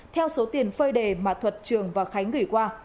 theo số tiền phơi đề mà thuật trường và khánh gửi qua